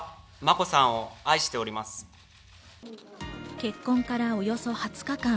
結婚からおよそ２０日間。